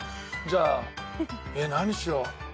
じゃあえっ何にしよう。